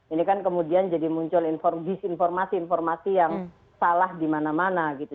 ini kan kemudian jadi muncul disinformasi informasi yang salah di mana mana gitu